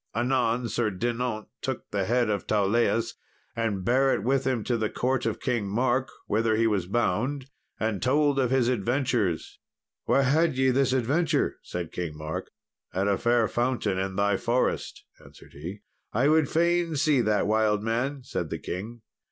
Anon, Sir Dinaunt took the head of Tauleas, and bare it with him to the court of King Mark, whither he was bound, and told of his adventures. "Where had ye this adventure?" said King Mark. "At a fair fountain in thy forest," answered he. "I would fain see that wild man," said the king.